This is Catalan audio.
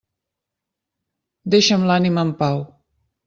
Deixa'm l'ànima en pau.